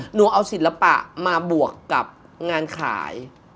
หนูเอาศิลปะมาบวกกับงานขาย